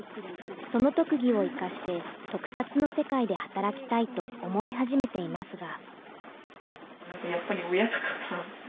その特技を生かして、特撮の世界で働きたいと思い始めていますが。